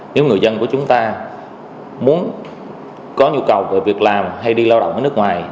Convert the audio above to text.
nếu người dân của chúng ta muốn có nhu cầu về việc làm hay đi lao động ở nước ngoài